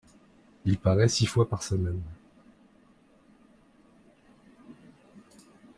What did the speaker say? Il paraît six fois par semaine.